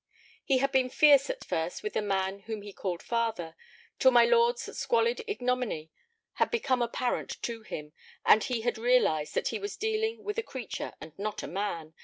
He had been fierce at first with the man whom he called father, till my lord's squalid ignominy had become apparent to him, and he had realized that he was dealing with a creature and not a man.